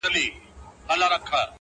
• چي ما مه وژنۍ ما څوک نه دي وژلي -